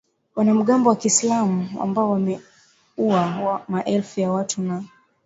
wanamgambo wa kiislamu ambao wameua maelfu ya watu na